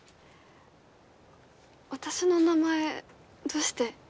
私の名前どうして？